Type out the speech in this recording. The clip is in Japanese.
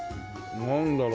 なんだろう？